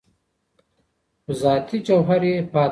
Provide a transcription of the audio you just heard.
خو ذاتي جوهر یې پاته دی